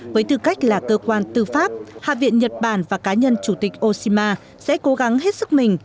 với tư cách là cơ quan tư pháp hạ viện nhật bản và cá nhân chủ tịch ocean sẽ cố gắng hết sức mình